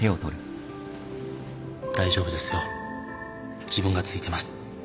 大丈夫ですよ自分が付いてます